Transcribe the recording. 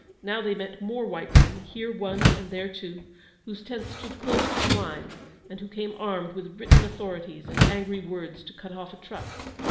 Now they met more white men, here one and there two, whose tents stood close to the line, and who came armed with written authorities and angry words to cut off a truck.